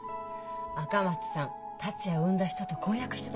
赤松さん達也を産んだ人と婚約してたのよ。